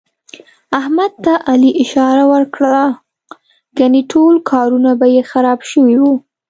احمد ته علي اشاره ور کړله، ګني ټول کارونه به یې خراب شوي وو.